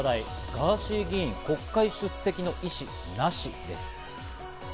ガーシー議員、国会出席の意思なしです。